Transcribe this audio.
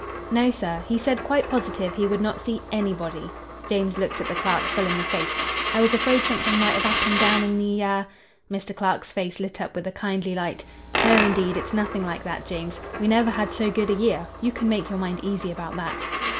"No, sir. He said quite positive he would not see anybody." James looked the clerk full in the face. "I was afraid something might 'ave 'appened down in the—ah—?" Mr. Clark's face lit up with a kindly light. "No, indeed. It's nothing like that, James. We never had so good a year. You can make your mind easy about that."